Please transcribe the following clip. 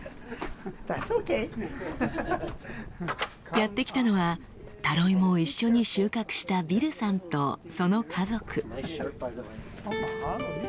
やって来たのはタロイモを一緒に収穫したビルさんとその家族。